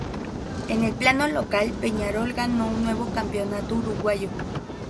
En el plano local Peñarol ganó un nuevo Campeonato Uruguayo.